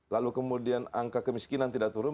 lalu kemudian angka kemiskinan tidak turun